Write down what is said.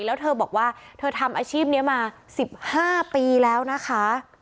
แล้วเธอบอกว่าเธอทำอาชีพนี้มา๑๕ปีแล้วนะคะ